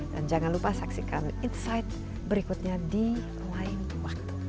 jangan lupa saksikan insight berikutnya di lain waktu